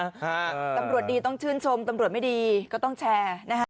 ฮะตำรวจดีต้องชื่นชมตำรวจไม่ดีก็ต้องแชร์นะฮะ